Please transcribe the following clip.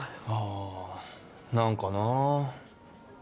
あ何かなぁ。